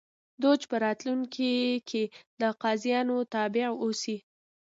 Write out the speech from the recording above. دوج په راتلونکي کې د قاضیانو تابع اوسي